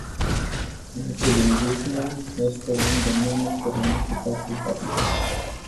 Multilingvismul este un domeniu cu ramificații vaste.